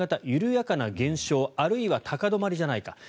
緩やかな減少あるいは高止まりじゃないか。